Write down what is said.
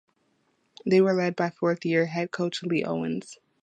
They were led by fourth–year head coach Lee Owens.